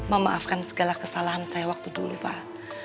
memaafkan segala kesalahan saya waktu dulu pak